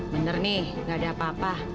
bener nih gak ada apa apa